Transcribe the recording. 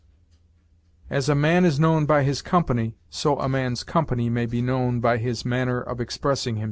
As a man is known by his company, so a man's company may be known by his manner of expressing himself.